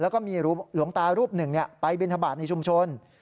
แล้วก็มีหลวงตารูปหนึ่งไปบินทบาทในชุมชน